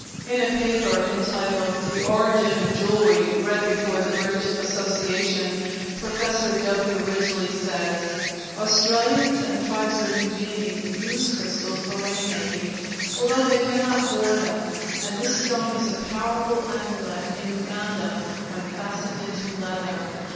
In a paper entitled "The Origin of Jewelry," read before the British Association, Professor W. Ridgeley says: Australians and tribes of New Guinea use crystals for rain making, although they cannot bore them, and this stone is a powerful amulet in Uganda when fastened into leather.